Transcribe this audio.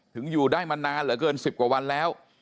อยู่ได้มานานเหลือเกิน๑๐กว่าวันแล้ว